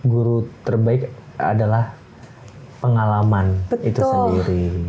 guru terbaik adalah pengalaman itu sendiri